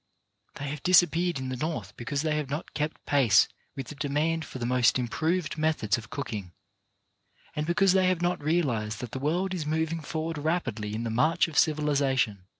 They have disappeared in the North be cause they have not kept pace with the demand for the most improved methods of cooking, and because they have not realized that the world is moving forward rapidly in the march of civiliza tion.